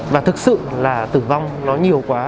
và thực sự là tử vong nó nhiều quá